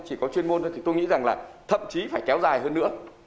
chỉ có chuyên môn thôi thì tôi nghĩ rằng là thậm chí phải kéo dài hơn nữa